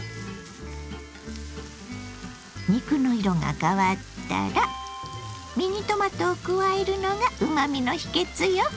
肉の色が変わったらミニトマトを加えるのがうまみの秘けつよ。